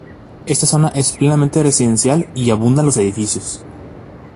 Esta zona es plenamente residencial y abundan los edificios.